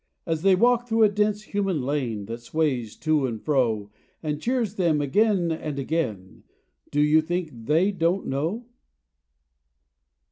As they walk through a dense human lane, That sways to and fro, And cheers them again and again, Do you think THEY don't know?